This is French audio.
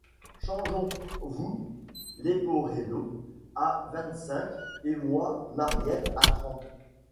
Changeons : vous, Léporello à vingt-cinq, et moi Mariette à trente ?